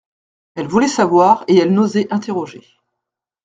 Elle voulait savoir et elle n'osait interroger.